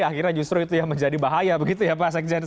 akhirnya justru itu yang menjadi bahaya begitu ya pak sekjen